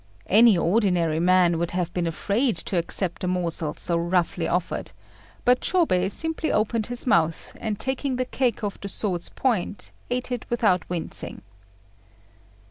Any ordinary man would have been afraid to accept the morsel so roughly offered; but Chôbei simply opened his mouth, and taking the cake off the sword's point ate it without wincing.